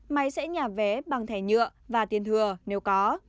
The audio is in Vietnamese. máy sẽ nhà vé bằng thẻ nhựa và tiền thừa nếu có